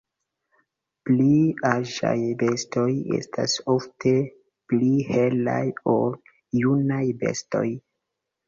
Pli aĝaj bestoj estas ofte pli helaj ol junaj bestoj.